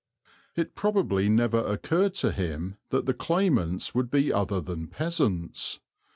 It probably never occurred to him that the claimants would be other than peasants.